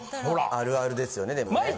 「あるある」ですよねでもね。